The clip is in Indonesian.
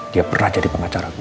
dia pernah jadi pengacara gue